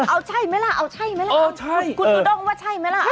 เอาใช่มั้ยล่ะคุณต้องว่าใช่มั้ยล่ะ